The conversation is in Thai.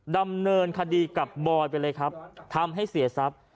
ดำเนินคดีกับบอยไปเลยครับทำให้เสียทรัพย์